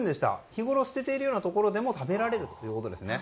日頃、捨てているようなところでも食べられるということですね。